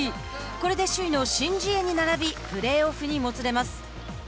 これで首位のシン・ジエに並びプレーオフにもつれます。